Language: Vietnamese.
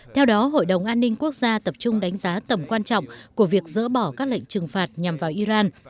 theo đó hội đồng an ninh quốc gia tập trung đánh giá tầm quan trọng của việc dỡ bỏ các lệnh trừng phạt nhằm vào iran